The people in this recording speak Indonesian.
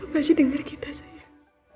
masih denger kita sayang